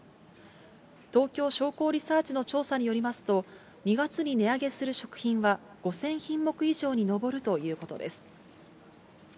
東京商工リサーチの調査によりますと、２月に値上げする食品は５０００品目以上に上るということです。